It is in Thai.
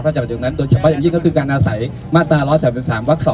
ถ้าจากนั้นโดยเฉพาะอย่างยิ่งก็คือการอาศัยมาตรา๑๓๓วัก๒